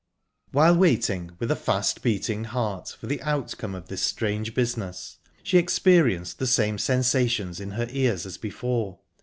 While waiting, with a fast beating heart, for the outcome of this strange business, she experienced the same sensations in her ears as before.